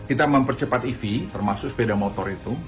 kita mempercepat ev termasuk sepeda motor itu